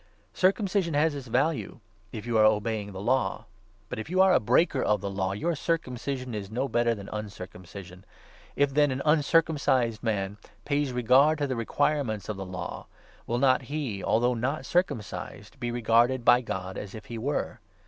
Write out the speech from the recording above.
Circumcision has its value, if you are obeying the Law. But, 25 if you are a breaker of the Law, your circumcision is no better than uncircumcision. If, then, an uncircumcised man pays 26 regard to the requirements of the Law, will not he, although not circumcised, be regarded by God as if he were?